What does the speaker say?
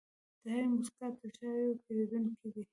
د هرې موسکا تر شا یو پیرودونکی دی.